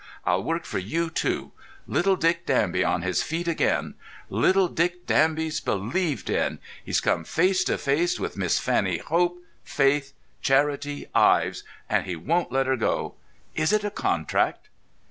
I'll work for you too. Little Dick Danby's on his feet again. Little Dick Danby's believed in. He's come face to face with Miss Fanny Hope Faith Charity Ives, and he won't let her go. Is it a contract?"